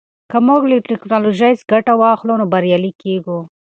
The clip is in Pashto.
که موږ له ټیکنالوژۍ ګټه واخلو نو بریالي کیږو.